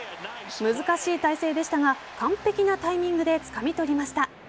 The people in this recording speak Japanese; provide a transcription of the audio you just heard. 難しい体勢でしたが完璧なタイミングでつかみ取りました。